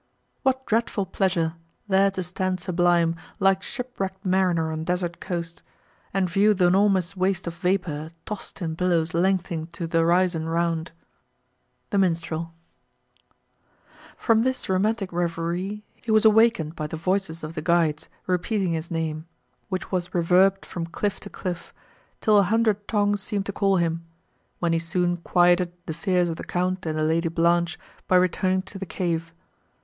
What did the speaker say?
What dreadful pleasure! there to stand sublime, Like shipwreck'd mariner on desert coast, And view th'enormous waste of vapour, tost In billows length'ning to th'horizon round! THE MINSTREL From this romantic reverie he was awakened by the voices of the guides, repeating his name, which was reverbed from cliff to cliff, till a hundred tongues seemed to call him; when he soon quieted the fears of the Count and the Lady Blanche, by returning to the cave.